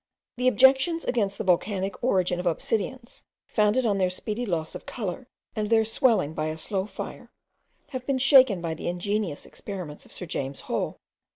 The objections against the volcanic origin of obsidians, founded on their speedy loss of colour, and their swelling by a slow fire, have been shaken by the ingenious experiments of Sir James Hall.